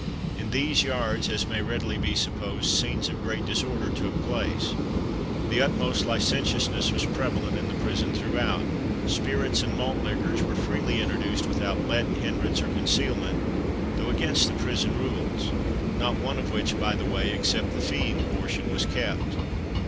In these yards, as may readily be supposed, scenes of great disorder took place. The utmost licentiousness was prevalent in the prison throughout. Spirits and malt liquors were freely introduced without let, hindrance, or concealment, though against the prison rules not one of which, by the way, (except the feeing portion) was kept.